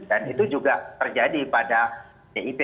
dan itu juga terjadi pada pdip